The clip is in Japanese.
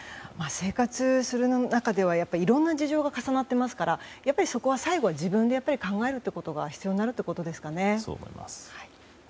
生活する中ではいろんな事情が重なってますからそこは最後、自分で考えることがそう思います。